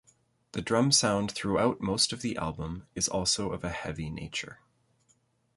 The drum sound throughout most of the album is also of a heavy nature.